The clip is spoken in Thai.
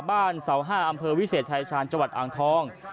บ้านเสาห้าอำเภอวิเศษชายชาญจังหวัดอังทอง